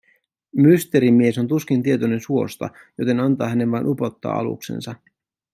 Mysteerimies on tuskin tietoinen suosta, joten antaa hänen vain upottaa aluksensa.